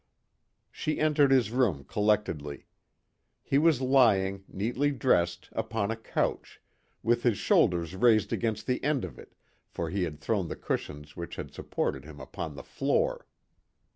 She entered his room collectedly. He was lying, neatly dressed, upon a couch, with his shoulders raised against the end of it, for he had thrown the cushions which had supported him upon the floor.